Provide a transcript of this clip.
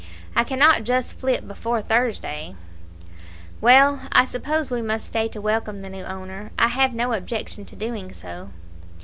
"I cannot just flit before Thursday." "Well, I suppose we must stay to welcome the new owner; I have no objection to doing so."